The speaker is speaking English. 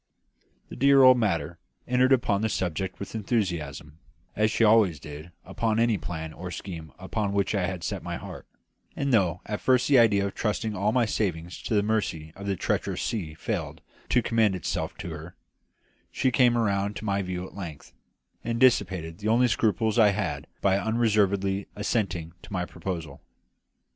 The dear old mater entered upon the subject with enthusiasm, as she always did upon any plan or scheme upon which I had set my heart; and though at first the idea of trusting all my savings to the mercy of the treacherous sea failed to commend itself to her, she came round to my view at length, and dissipated the only scruples I had had by unreservedly assenting to my proposal.